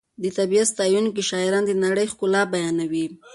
د طبیعت ستایونکي شاعران د نړۍ ښکلا بیانوي.